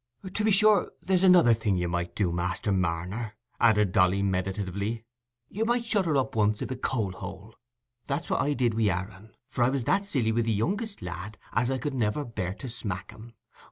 "To be sure, there's another thing you might do, Master Marner," added Dolly, meditatively: "you might shut her up once i' the coal hole. That was what I did wi' Aaron; for I was that silly wi' the youngest lad, as I could never bear to smack him.